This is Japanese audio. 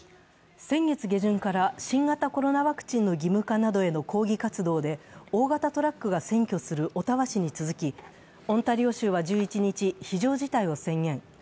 先月下旬から新型コロナワクチンの義務化などへの抗議活動で大型トラックが占拠するオタワ市に続きオンタリオ州は１１日非常事態を宣言。